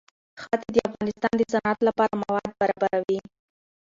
ښتې د افغانستان د صنعت لپاره مواد برابروي.